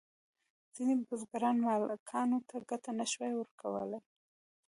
ځینې بزګران مالکانو ته ګټه نشوای ورکولی.